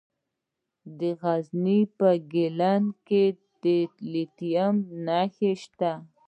د غزني په ګیلان کې د لیتیم نښې شته.